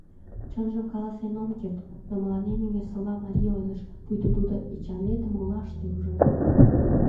Чынжым каласен ом керт, но мыланем Эҥерсола марий ойлыш, пуйто тудо Эчанетым олаште ужын.